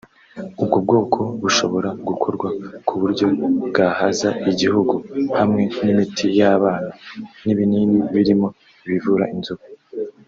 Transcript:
ubwo bwoko bushobora gukorwa ku buryo bwahaza igihugu ; hamwe n’imiti y’abana n’ibinini birimo ibivura inzoka